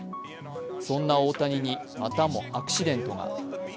そんな大谷に、またもアクシデントが。